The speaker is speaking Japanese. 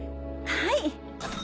はい。